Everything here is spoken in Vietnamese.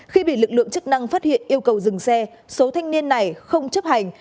khi bị lực lượng chức năng phát hiện yêu cầu dừng xe số thanh niên này không chấp hành